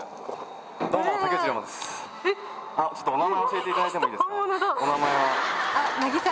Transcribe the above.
お名前教えていただいてもいいですか？